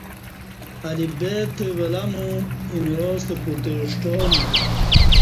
الف بے تہ ولامو ایمراستہ پوتہ ݜٹامو